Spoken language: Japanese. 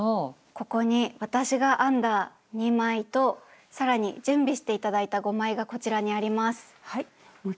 ここに私が編んだ２枚と更に準備して頂いた５枚がこちらにあります。